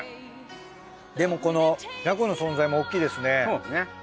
でもこのじゃこの存在もおっきいですね。